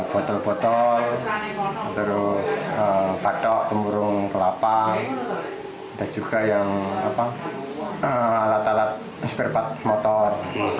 botol botol patok kemurung kelapa dan juga alat alat seberpat motor